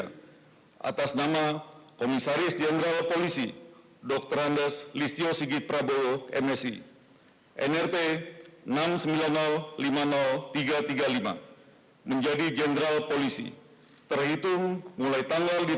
kepada komisaris jenderal polisi dr andos listio sigit pradu msi sebagai kepala kepolisian negara republik indonesia